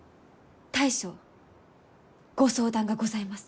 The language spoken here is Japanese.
大将ご相談がございます。